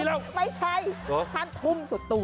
นะภาพเธอทุ่มสุดตัว